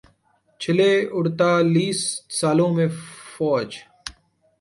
چھلے اڑتالیس سالوں میں فوج